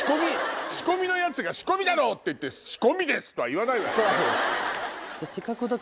仕込みのヤツが仕込みだろ！って言って仕込みです！とは言わないわよね。